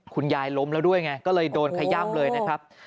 ล้มแล้วด้วยไงก็เลยโดนขย่ำเลยนะครับ